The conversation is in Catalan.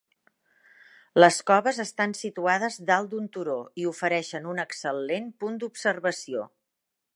Les coves estan situades dalt d'un turó i ofereixen un excel·lent punt d'observació.